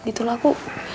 gitu lah aku